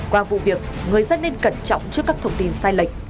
qua vụ việc người dân nên cẩn trọng trước các thông tin sai lệch